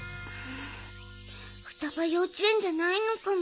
ふたば幼稚園じゃないのかも。